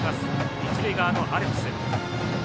一塁側のアルプス。